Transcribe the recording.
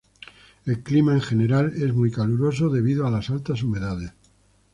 El clima, en general es muy caluroso debido a las altas humedades.